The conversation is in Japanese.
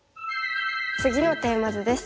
次のテーマ図です。